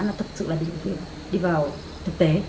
nó thực sự là đi vào thực tế